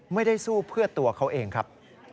ไม่ได้สู้เพื่อตัวเขาเองครับ